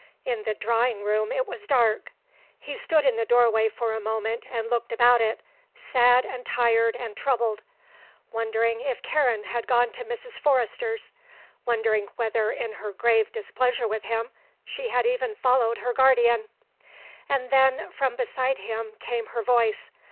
In the drawing room it was dark; he stood in the doorway for a moment and looked about it, sad and tired and troubled, wondering if Karen had gone to Mrs. Forrester's, wondering whether, in her grave displeasure with him, she had even followed her guardian. And then, from beside him, came her voice.